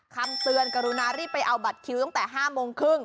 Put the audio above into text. คำเตือนกรุณารีบไปเอาบัตรคิวตั้งแต่๕โมงครึ่ง